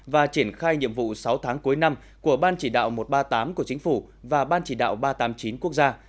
và triển khai nhiệm vụ sáu tháng cuối năm của ban chỉ đạo một trăm ba mươi tám của chính phủ và ban chỉ đạo ba trăm tám mươi chín quốc gia